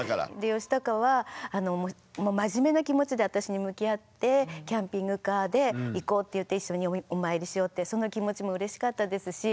ヨシタカはもう真面目な気持ちで私に向き合ってキャンピングカーで行こうって言って一緒にお参りしようってその気持ちもうれしかったですし